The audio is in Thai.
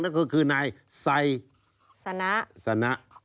นั่นคือในไซสนะ